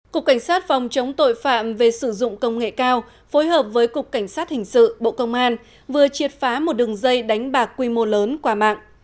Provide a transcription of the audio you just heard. cục cảnh sát phòng chống tội phạm về sử dụng công nghệ cao phối hợp với cục cảnh sát hình sự bộ công an vừa triệt phá một đường dây đánh bạc quy mô lớn qua mạng